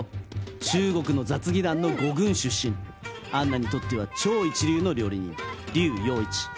中国の雑技団の五軍出身アンナにとっては超一流の料理人リュウ楊一。